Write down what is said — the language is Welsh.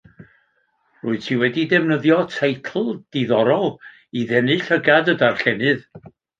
Rwyt ti wedi defnyddio teitl diddorol i ddenu llygad y darllenydd